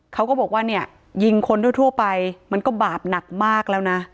เขาก็บอกว่าเนี่ยยิงคนทั่วไปมันก็บาปหนักมากแล้วนะ